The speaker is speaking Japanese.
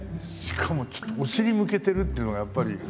しかもちょっとお尻向けてるっていうのがやっぱり。